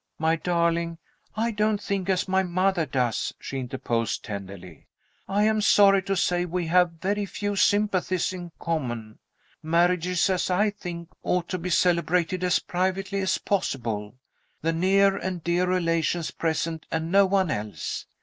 "My darling, I don't think as my mother does," she interposed, tenderly. "I am sorry to say we have very few sympathies in common. Marriages, as I think, ought to be celebrated as privately as possible the near and dear relations present, and no one else.